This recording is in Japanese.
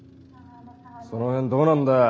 その辺どうなんだよ？